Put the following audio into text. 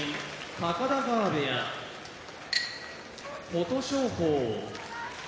高田川部屋琴勝峰